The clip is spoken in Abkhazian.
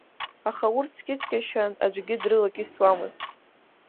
Аха урҭ ҵкьыҵкьашьан аӡәгьы дрылакьысуамызт.